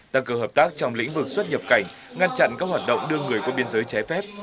tăng cường hợp tác trong lĩnh vực xuất nhập cảnh ngăn chặn các hoạt động đưa người qua biên giới trái phép